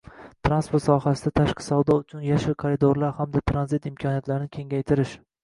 transport sohasida tashqi savdo uchun “yashil koridorlar” hamda tranzit imkoniyatlarini kengaytirish;